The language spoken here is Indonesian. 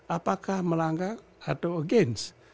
apakah melanggar atau against